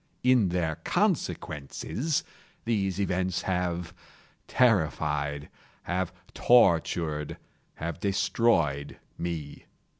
In their consequences, these events have terrified—have tortured—have destroyed me.